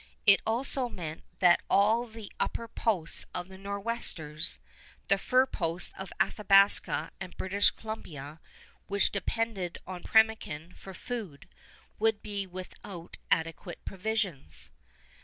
It also meant that all the upper posts of the Nor'westers the fur posts of Athabasca and British Columbia, which depended on pemmican for food would be without adequate provisions.